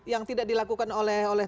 yang tidak dilakukan oleh